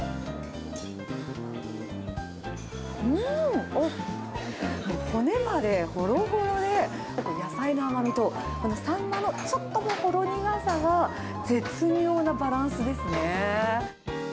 うーん、骨までほろほろで、やっぱ野菜の甘みと、このサンマのちょっとほろ苦さが絶妙なバランスですね。